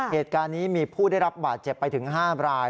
เหตุการณ์นี้มีผู้ได้รับบาดเจ็บไปถึง๕ราย